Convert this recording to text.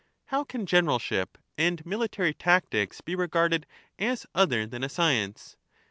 How can generalship and military tactics be regarded as other than a science?